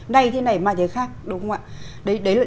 này thế này mà thế khác đúng không ạ